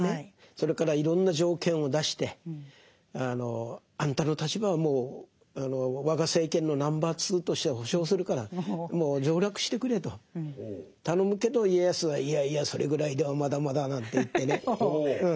それからいろんな条件を出してあんたの立場はもう我が政権のナンバー２として保証するからもう上洛してくれと頼むけど家康はいやいやそれぐらいではまだまだなんて言ってね。